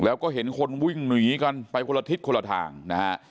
แล้วก็เห็นคนวิ่งหนีกันไปคนละทิศคนละทางนะฮะ